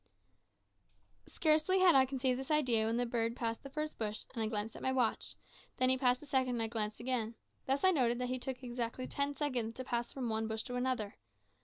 Scarcely had I conceived this idea when the bird passed the first bush, and I glanced at my watch; then he passed the second, and I glanced again. Thus I noted that he took exactly ten seconds to pass from one bush to the other.